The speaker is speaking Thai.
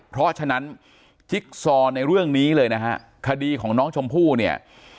เพราะฉะนั้นจิ๊กซอในเรื่องนี้เลยนะฮะคดีของน้องชมพู่เนี่ย